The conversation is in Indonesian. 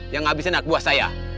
yang ngabisin anak buah saya